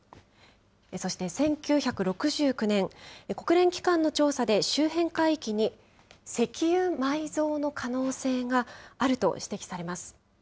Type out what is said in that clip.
そして１９６９年、国連機関の調査で、周辺海域に石油埋蔵の可能性があると指摘されます。